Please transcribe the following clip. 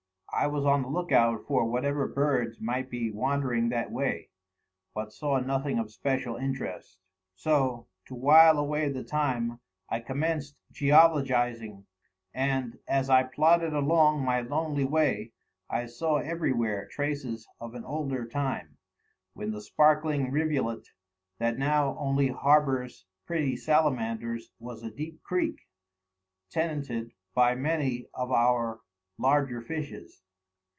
I was on the lookout for whatever birds might be wandering that way, but saw nothing of special interest. So, to while away the time, I commenced geologizing; and, as I plodded along my lonely way, I saw everywhere traces of an older time, when the sparkling rivulet that now only harbors pretty salamanders was a deep creek, tenanted by many of our larger fishes.